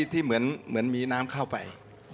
ที่เหมือนมีน้ำเข้าไป